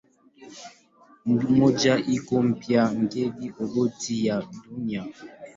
Mmoja iko pia kwenye obiti ya Dunia.